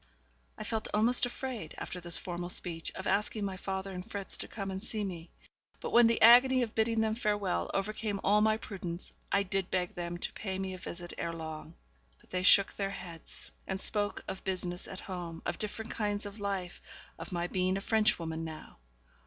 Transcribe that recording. I felt almost afraid, after this formal speech, of asking my father and Fritz to come and see me; but, when the agony of bidding them farewell overcame all my prudence, I did beg them to pay me a visit ere long. But they shook their heads, and spoke of business at home, of different kinds of life, of my being a Frenchwoman now.